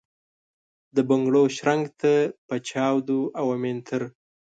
دبنګړو شرنګ ته ، په جادو اومنتر ،